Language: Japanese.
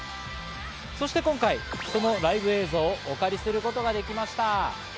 そして今回、そのライブ映像をお借りすることができました。